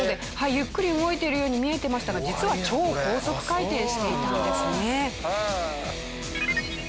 ゆっくり動いているように見えてましたが実は超高速回転していたんですね。